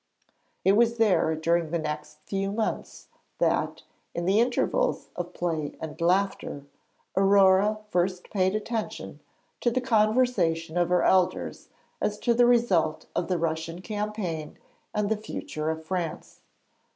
It was there during the next few months that, in the intervals of play and laughter, Aurore first paid attention to the conversation of her elders as to the result of the Russian campaign and the future of France.